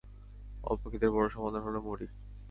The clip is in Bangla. অল্প খিদের বড় সমাধান হলো মুড়ি।